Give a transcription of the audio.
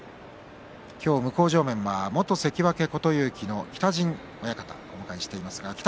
向正面は元関脇琴勇輝の北陣親方をお迎えしています。